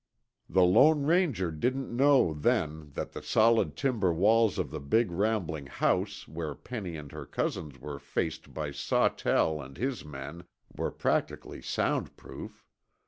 The Lone Ranger didn't know, then, that the solid timber walls of the big rambling house where Penny and her cousins were faced by Sawtell and his men were practically soundproof.